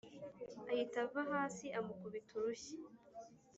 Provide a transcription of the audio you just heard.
ahita ava hasi amukubita urushyi